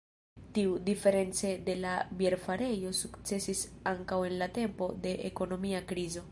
Tiu, diference de la bierfarejo, sukcesis ankaŭ en la tempo de ekonomia krizo.